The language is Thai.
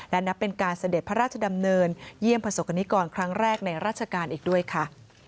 และนับเป็นการเสด็จพระราชดำเนินเยี่ยมประสบกรณิกรครั้งแรกในราชการอีกด้วยค่ะ